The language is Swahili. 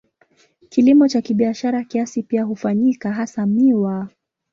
Kilimo cha kibiashara kiasi pia hufanyika, hasa miwa.